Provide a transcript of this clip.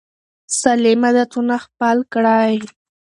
سالم عادتونه خپل کړئ.